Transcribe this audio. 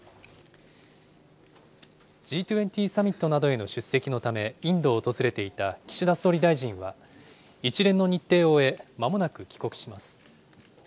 Ｇ２０サミットなどへの出席のためインドを訪れていた岸田総理大臣は、一連の日程を終え、まもなく帰国します。